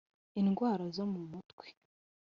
indwara zo mu mutwe